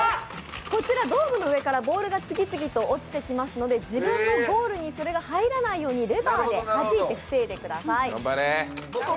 ドームの上からボールが次々と落ちてきますので自分のゴールにそれが入らないようにレバーではじいて防いでください。